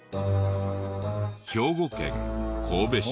兵庫県神戸市。